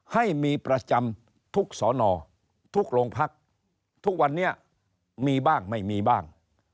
ให้มีประจำทุกสอนอทุกโรงพักทุกวันนี้มีบ้างไม่มีบ้าง